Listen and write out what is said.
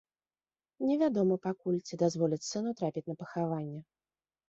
Невядома пакуль, ці дазволяць сыну трапіць на пахаванне.